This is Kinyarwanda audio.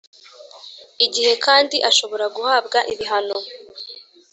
igihe kandi ashobora guhabwa ibihano